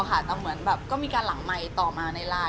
เพิ่งเจออันเดียวแต่คงมีการหลังไมค์ต่อมาในไลน์